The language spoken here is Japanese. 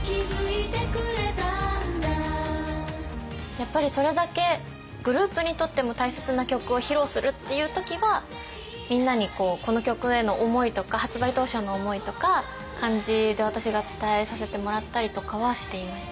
やっぱりそれだけグループにとっても大切な曲を披露するっていう時はみんなにこの曲への思いとか発売当初の思いとか感じで私が伝えさせてもらったりとかはしていました。